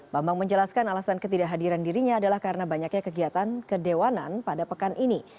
bambang menjelaskan alasan ketidakhadiran dirinya adalah karena banyaknya kegiatan kedewanan pada pekan ini